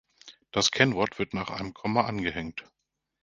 Das Kennwort wird nach einem Komma angehängt.